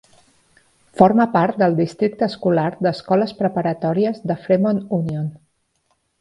Forma part del Districte escolar d'escoles preparatòries de Fremont Union.